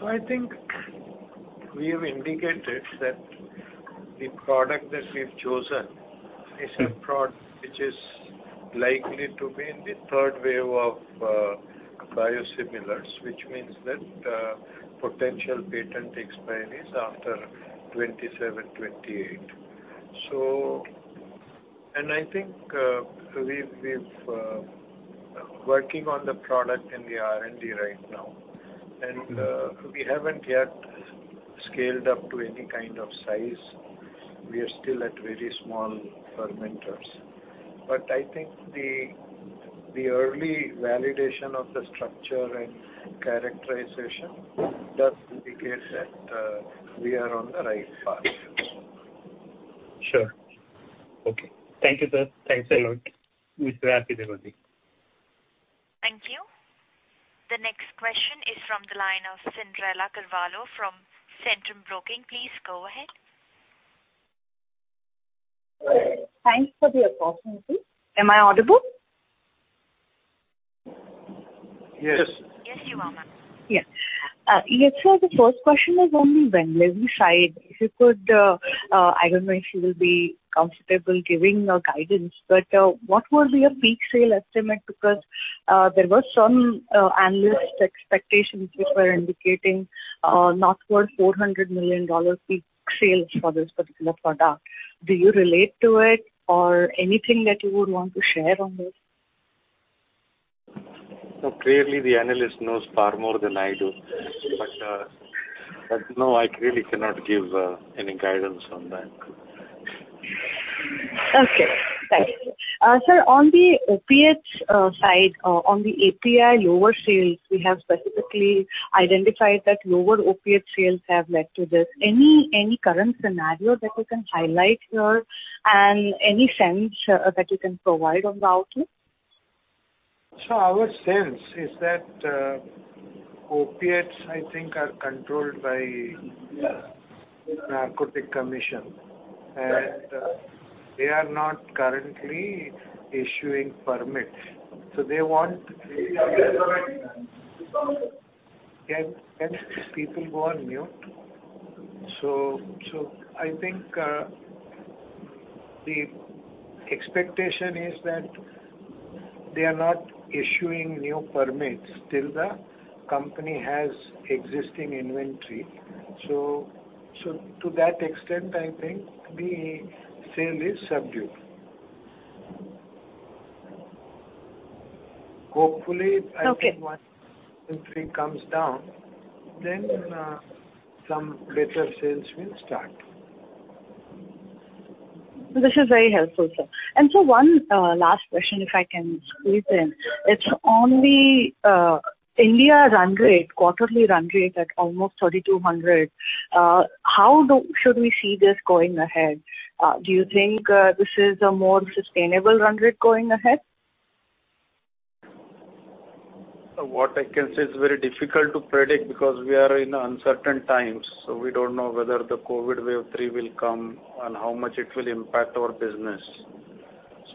I think we have indicated that the product that we've chosen is a product which is likely to be in the third wave of biosimilars, which means that potential patent expiry is after 2027, 2028. I think we've been working on the product in the R&D right now. We haven't yet scaled up to any kind of size. We are still at very small fermenters. I think the early validation of the structure and characterization does indicate that we are on the right path. Sure. Okay. Thank you, sir. Thanks a lot. Thank you. Thank you. The next question is from the line of Cyndrella Carvalho from Centrum Broking. Please go ahead. Thanks for the opportunity. Am I audible? Yes. Yes, you are, ma'am. Yeah. Yes, sir. The first question is on the WINLEVI, if you could, I don't know if you will be comfortable giving a guidance, but, what will be your peak sale estimate? Because, there were some analyst expectations which were indicating, northward $400 million peak sales for this particular product. Do you relate to it or anything that you would want to share on this? No, clearly the analyst knows far more than I do. No, I clearly cannot give any guidance on that. Okay. Thanks. Sir, on the opiates side, on the API lower sales, we have specifically identified that lower opiate sales have led to this. Any current scenario that you can highlight here and any sense that you can provide on the outlook? Our sense is that opiates, I think, are controlled by narcotic commission, and they are not currently issuing permits. Can people go on mute? I think the expectation is that they are not issuing new permits till the company has existing inventory. To that extent, I think the sale is subdued. Hopefully, I think Okay. Once inventory comes down, then some better sales will start. This is very helpful, sir. One last question, if I can squeeze in. It's on the India run rate, quarterly run rate at almost 3,200. Should we see this going ahead? Do you think this is a more sustainable run rate going ahead? What I can say is very difficult to predict because we are in uncertain times. We don't know whether the COVID wave three will come and how much it will impact our business.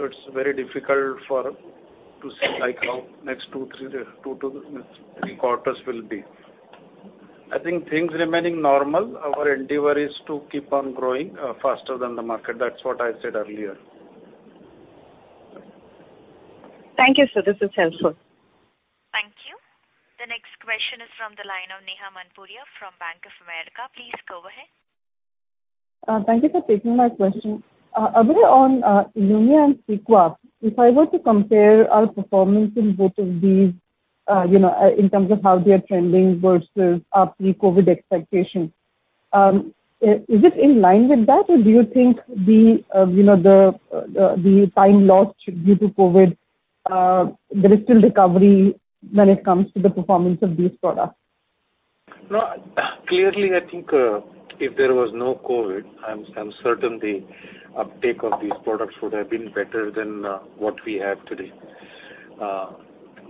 It's very difficult to say like how next two to three quarters will be. I think things remaining normal, our endeavor is to keep on growing faster than the market. That's what I said earlier. Thank you, sir. This is helpful. Thank you. The next question is from the line of Neha Manpuria from Bank of America. Please go ahead. Thank you for taking my question. Abhay, on ILUMYA and CEQUA, if I were to compare our performance in both of these, you know, in terms of how they are trending versus our pre-COVID expectations, is it in line with that? Or do you think the time lost due to COVID, there is still recovery when it comes to the performance of these products? No, clearly, I think if there was no COVID, I'm certain the uptake of these products would have been better than what we have today.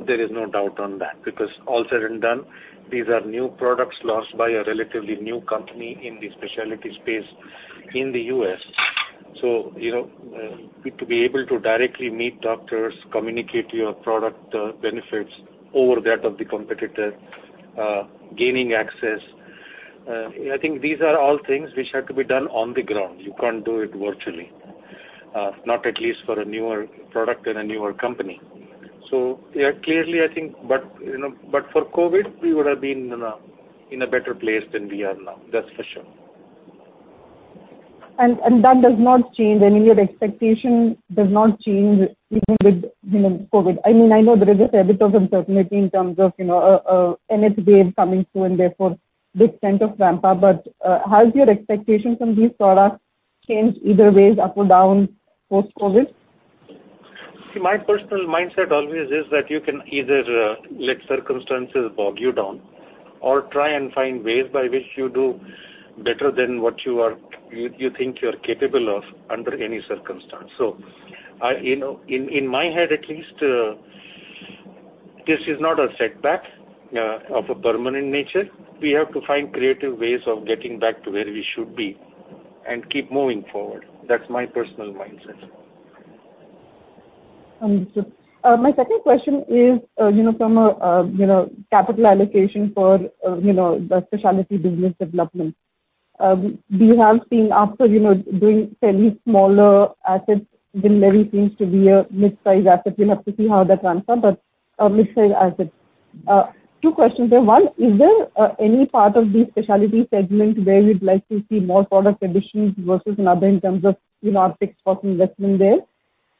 There is no doubt on that, because all said and done, these are new products launched by a relatively new company in the specialty space in the U.S. You know, to be able to directly meet doctors, communicate your product benefits over that of the competitor, gaining access, I think these are all things which have to be done on the ground. You can't do it virtually, not at least for a newer product and a newer company. Yeah, clearly, I think you know, but for COVID, we would have been in a better place than we are now. That's for sure. That does not change. I mean, your expectation does not change even with, you know, COVID. I mean, I know there is a bit of uncertainty in terms of, you know, another wave coming through and therefore this kind of ramp up. Has your expectations on these products changed either ways, up or down, post-COVID? See, my personal mindset always is that you can either let circumstances bog you down or try and find ways by which you do better than what you think you're capable of under any circumstance. I, you know, in my head at least, this is not a setback of a permanent nature. We have to find creative ways of getting back to where we should be and keep moving forward. That's my personal mindset. Understood. My second question is, you know, from a, you know, capital allocation for, you know, the specialty business development. Have you seen after, you know, doing fairly smaller assets, WINLEVI seems to be a mid-size asset. We'll have to see how that ramps up. But a mid-size asset. Two questions there. One, is there any part of the specialty segment where we'd like to see more product additions versus others in terms of, you know, our picks for investment there?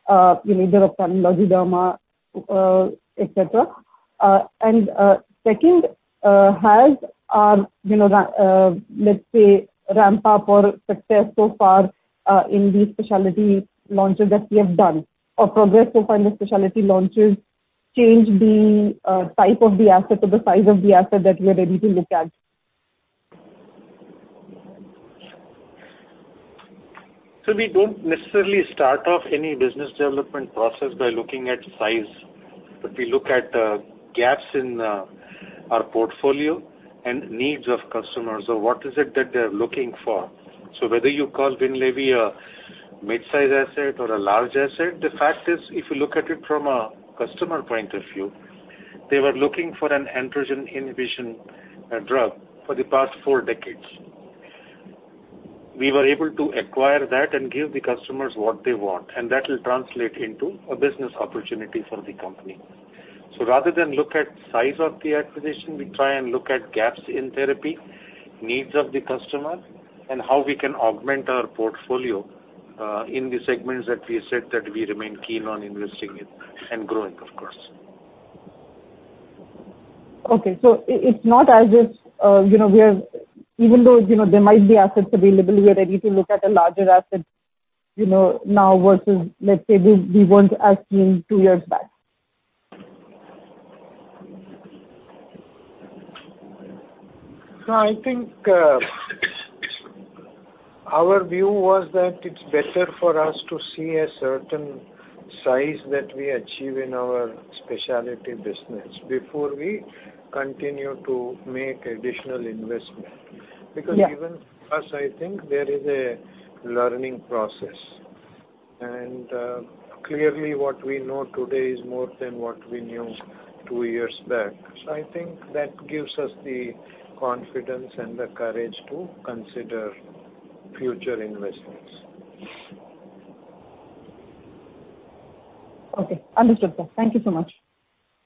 You know, either or et cetera. Second, has you know the let's say ramp up or success so far in the specialty launches that we have done or progress so far in the specialty launches change the type of the asset or the size of the asset that we are ready to look at? We don't necessarily start off any business development process by looking at size, but we look at gaps in our portfolio and needs of customers or what is it that they're looking for. Whether you call WINLEVI a mid-size asset or a large asset, the fact is, if you look at it from a customer point of view, they were looking for an androgen inhibition drug for the past four decades. We were able to acquire that and give the customers what they want, and that will translate into a business opportunity for the company. Rather than look at size of the acquisition, we try and look at gaps in therapy, needs of the customer and how we can augment our portfolio in the segments that we said that we remain keen on investing in and growing, of course. Okay. It's not as if, you know, we have, even though, you know, there might be assets available, we are ready to look at a larger asset, you know, now versus, let's say, we weren't as keen two years back. No, I think, our view was that it's better for us to see a certain size that we achieve in our specialty business before we continue to make additional investment. Yeah. Because even us, I think there is a learning process. Clearly what we know today is more than what we knew two years back. I think that gives us the confidence and the courage to consider future investments. Okay. Understood, sir. Thank you so much.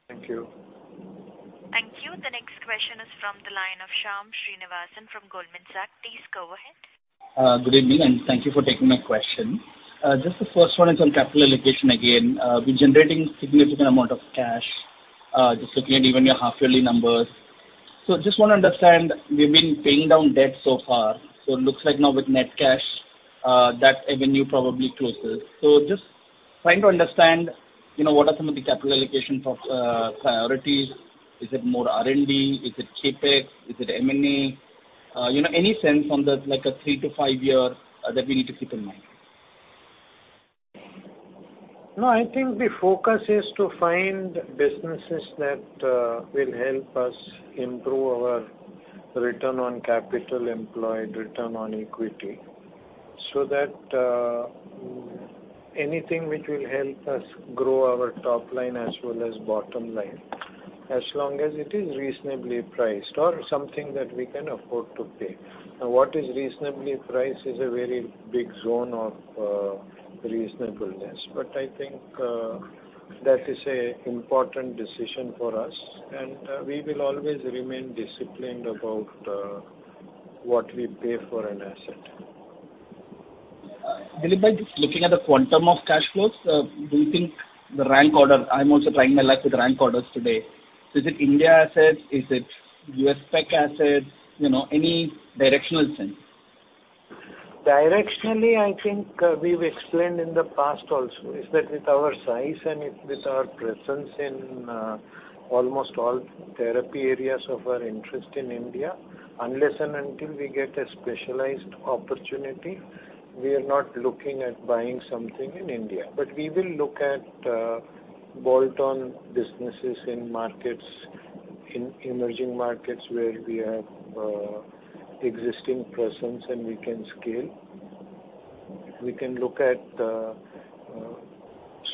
Thank you. Thank you. The next question is from the line of Shyam Srinivasan from Goldman Sachs. Please go ahead. Good evening, and thank you for taking my question. Just the first one is on capital allocation again. We're generating a significant amount of cash, just looking at even your half-yearly numbers. Just wanna understand, we've been paying down debt so far, so it looks like now with net cash, that avenue probably closes. Just trying to understand, you know, what are some of the capital allocations of priorities. Is it more R&D? Is it CapEx? Is it M&A? You know, any sense on the like a three- to five-year that we need to keep in mind? No, I think the focus is to find businesses that will help us improve our return on capital employed, return on equity, so that anything which will help us grow our top line as well as bottom line, as long as it is reasonably priced or something that we can afford to pay. Now, what is reasonably priced is a very big zone of reasonableness. I think that is an important decision for us, and we will always remain disciplined about what we pay for an asset. Dilip bhai, just looking at the quantum of cash flows, do you think the rank order. I'm also trying my luck with rank orders today. Is it India assets? Is it U.S. specialty assets? You know, any directional sense. Directionally, I think, we've explained in the past also is that with our size and with our presence in almost all therapy areas of our interest in India, unless and until we get a specialized opportunity, we are not looking at buying something in India. But we will look at bolt-on businesses in markets, in emerging markets where we have existing presence and we can scale. We can look at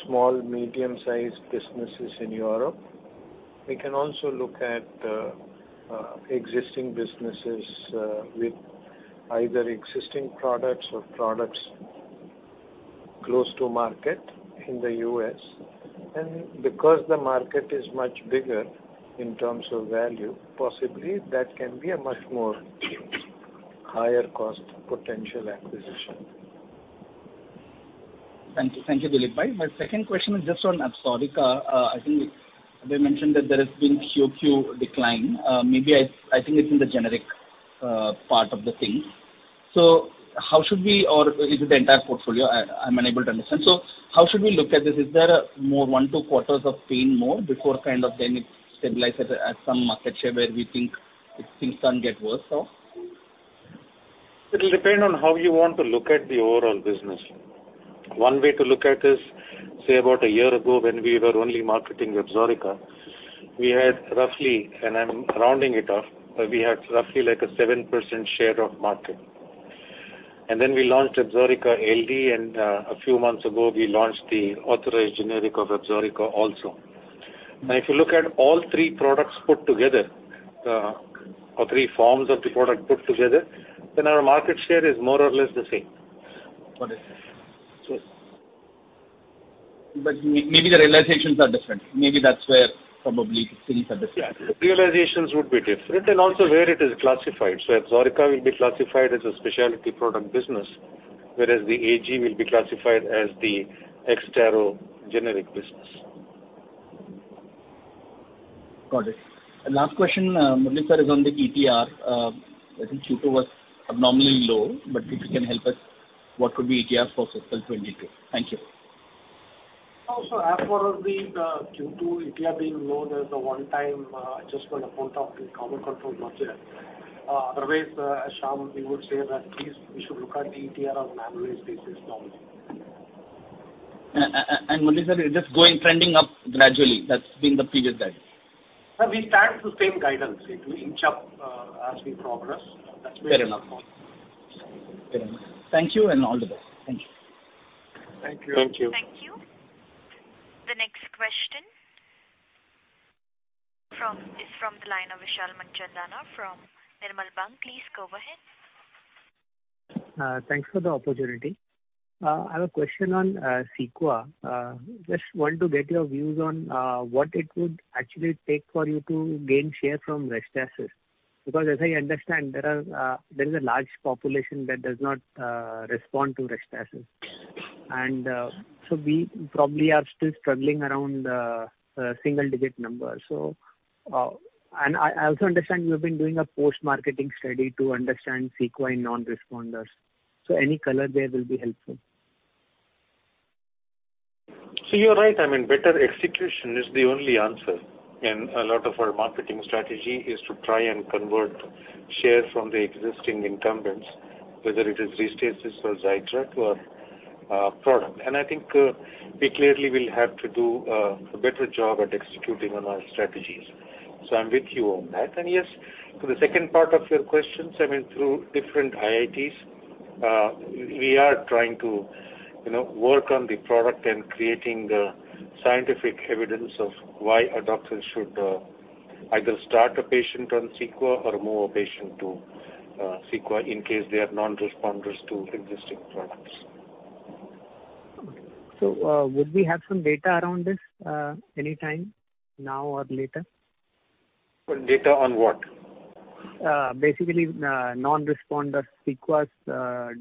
small, medium sized businesses in Europe. We can also look at existing businesses with either existing products or products close to market in the U.S.. Because the market is much bigger in terms of value, possibly that can be a much more higher cost potential acquisition. Thank you. Thank you, Dilip bhai. My second question is just on ABSORICA. I think they mentioned that there has been QOQ decline. Maybe I think it's in the generic part of the thing. How should we or is it the entire portfolio? I'm unable to understand. How should we look at this? Is there more one, two quarters of pain before kind of then it stabilizes at some market share where we think things can't get worse or? It'll depend on how you want to look at the overall business. One way to look at is, say about a year ago when we were only marketing ABSORICA, we had roughly, and I'm rounding it off, but we had roughly like a 7% share of market. Then we launched ABSORICA LD, and a few months ago we launched the authorized generic of ABSORICA also. Now, if you look at all three products put together, or three forms of the product put together, then our market share is more or less the same. Got it. Maybe the realizations are different. Maybe that's where probably things are different. Yeah. The realizations would be different, and also where it is classified. ABSORICA will be classified as a specialty product business, whereas the AG will be classified as the ex-Taro generic business. Got it. Last question, Murali sir, is on the ETR. I think Q2 was abnormally low, but if you can help us, what could be ETR for fiscal 2022? Thank you. Oh, as for the Q2 ETR being low, there's a one-time adjustment on account of the common control method. Otherwise, Shyam, we would say that at least we should look at the ETR on an annual basis now. Murali sir, it's just going trending up gradually. That's been the previous guide. No, we stand by the same guidance. It will inch up, as we progress. That's where- Fair enough. Thank you, and all the best. Thank you. Thank you. Thank you. The next question is from the line of Vishal Manchanda from Nirmal Bang. Please go ahead. Thanks for the opportunity. I have a question on CEQUA. Just want to get your views on what it would actually take for you to gain share from RESTASIS. Because as I understand, there is a large population that does not respond to RESTASIS. We probably are still struggling around a single digit number. I also understand you have been doing a post-marketing study to understand CEQUA in non-responders. Any color there will be helpful. You're right. I mean, better execution is the only answer. A lot of our marketing strategy is to try and convert shares from the existing incumbents, whether it is RESTASIS or Xiidra, product. I think, we clearly will have to do, a better job at executing on our strategies. I'm with you on that. Yes, to the second part of your question, I mean, through different IITs, we are trying to, you know, work on the product and creating the scientific evidence of why a doctor should, either start a patient on CEQUA or move a patient to, CEQUA in case they are non-responders to existing products. Would we have some data around this, anytime now or later? Data on what? Basically, non-responder CEQUA's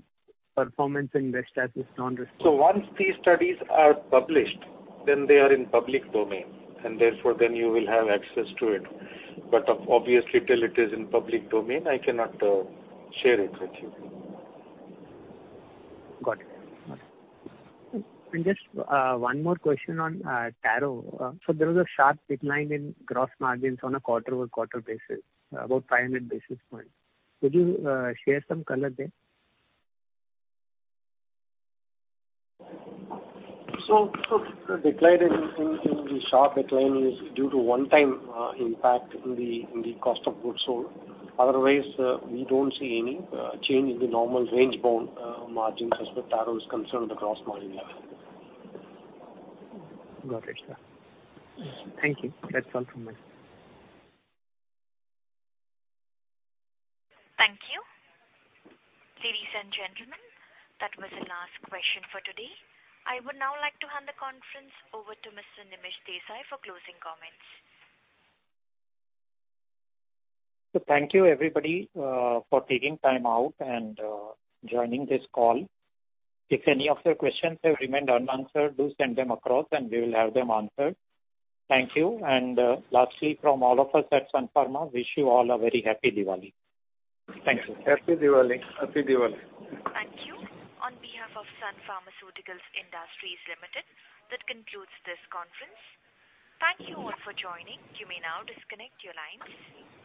performance in RESTASIS non-responder. Once these studies are published, then they are in public domain, and therefore then you will have access to it. Obviously, till it is in public domain, I cannot share it with you. Got it. Just one more question on Taro. There was a sharp decline in gross margins on a quarter-over-quarter basis, about 500 basis points. Could you share some color there? The sharp decline is due to one-time impact in the cost of goods sold. Otherwise, we don't see any change in the normal range-bound margins as far as Taro is concerned, the gross margin level. Got it, sir. Thank you. That's all from me. Thank you. Ladies and gentlemen, that was the last question for today. I would now like to hand the conference over to Mr. Nimish Desai for closing comments. Thank you, everybody, for taking time out and joining this call. If any of your questions have remained unanswered, do send them across and we will have them answered. Thank you. Lastly, from all of us at Sun Pharma, wish you all a very happy Diwali. Thank you. Happy Diwali. Happy Diwali. Thank you. On behalf of Sun Pharmaceutical Industries Limited, that concludes this conference. Thank you all for joining. You may now disconnect your lines.